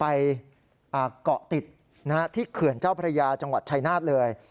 ไปเกาะติดที่เขื่อนเจ้าพระยาจังหวัดชายนาฏเลย